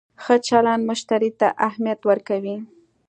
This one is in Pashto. ښه چلند مشتری ته اهمیت ورکوي.